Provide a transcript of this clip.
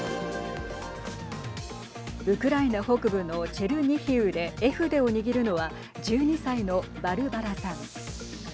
ウクライナ北部のチェルニヒウで絵筆を握るのは１２歳のバルバラさん。